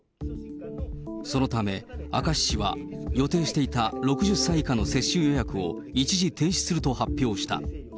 そのため、明石市は予定していた６０歳以下の接種予約を一時停止すると発表した。